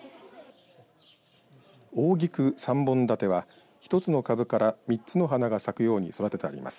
大菊３本立ては１つの株から３つの花が咲くように育ててあります。